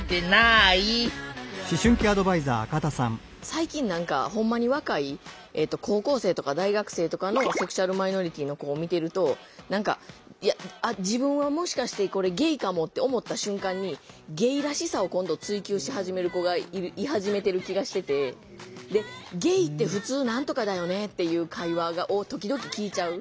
最近何かほんまに若い高校生とか大学生とかのセクシュアルマイノリティーの子を見てると自分はもしかしてゲイかもって思った瞬間にゲイらしさを今度追求し始める子がい始めてる気がしてて。っていう会話を時々聞いちゃう。